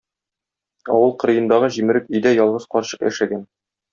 Авыл кырыендагы җимерек өйдә ялгыз карчык яшәгән.